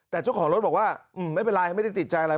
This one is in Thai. แต่เจ้าของรถบอกว่าไม่เป็นไรไม่ได้ติดใจอะไร